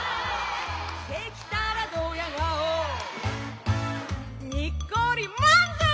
「できたらどや顔にっこり満足」